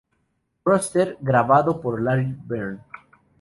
Custer", grabado por Larry Verne.